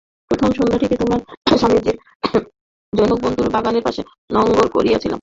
প্রথম সন্ধ্যাটিতে আমরা স্বামীজীর জনৈক বন্ধুর বাগানের পাশে নঙ্গর করিয়াছিলাম।